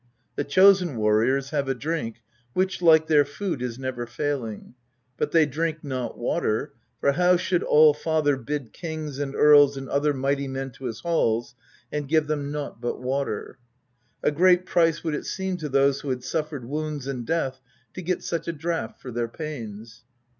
The Chosen Warriors have a drink which, like their food, is never failing ; but they drink not water, for how should All father bid kings and earls and other mighty men to his halls and give them nought but water ? A great price would it seem to those who had suffered wounds and death to get such a draught for their pains.